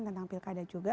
tentang pilkada juga